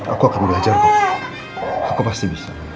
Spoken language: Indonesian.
aku akan belajarmu aku pasti bisa